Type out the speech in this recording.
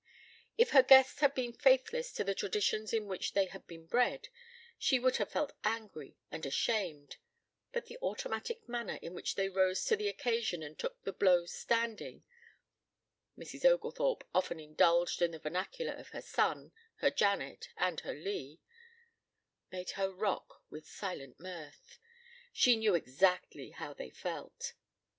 If her guests had been faithless to the traditions in which they had been bred, she would have felt angry and ashamed, but the automatic manner in which they rose to the occasion and took the blow standing (Mrs. Oglethorpe often indulged in the vernacular of her son, her Janet, and her Lee) made her rock with silent mirth. She knew exactly how they felt!